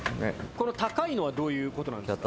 この高いのはどういう事なんですか？